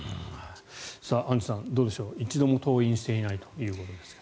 アンジュさんどうでしょう一度も登院していないということですが。